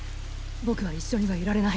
僕は一緒にはいられない。